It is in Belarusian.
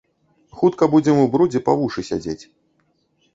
Хутка будзем у брудзе па вушы сядзець.